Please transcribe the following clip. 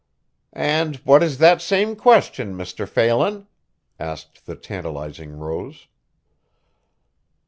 "And what is that same question, Mr. Phelan?" asked the tantalizing Rose.